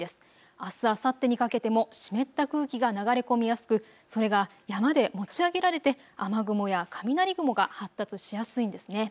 あす、あさってにかけても湿った空気が流れ込みやすくそれが山で持ち上げられて雨雲や雷雲が発達しやすいんですね。